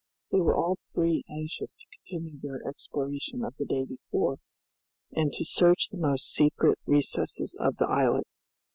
They were all three anxious to continue their exploration of the day before, and to search the most secret recesses of the islet!